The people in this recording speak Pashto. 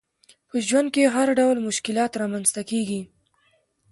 په ژوند کي هرډول مشکلات رامنځته کیږي